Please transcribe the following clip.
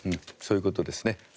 そういうことですね。